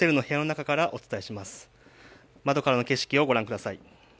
窓からの景色を御覧ください。